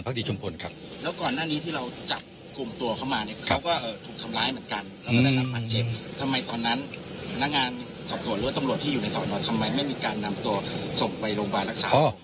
ส่งไปโรงพยาบาลหลักศาล